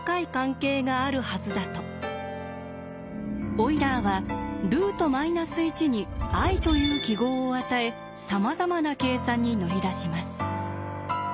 オイラーはルートマイナス１に「ｉ」という記号を与えさまざまな計算に乗り出します。